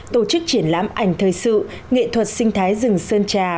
tổ chức triển lãm ảnh thời sự nghệ thuật sinh thái rừng sơn trà